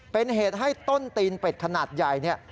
เป็นเหตุให้ต้นตีนเป็ดขนาดใหญ่เนี่ย